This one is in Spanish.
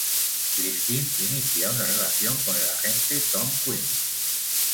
Christine inicia una relación con el agente Tom Quinn.